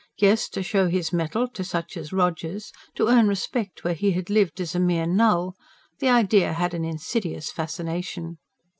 Yes, to show his mettle to such as Rogers; to earn respect where he had lived as a mere null the idea had an insidious fascination.